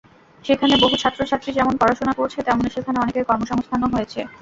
সেখানে বহু ছাত্রছাত্রী যেমন পড়াশোনা করছে, তেমনি সেখানে অনেকের কর্মসংস্থানও হয়েছে।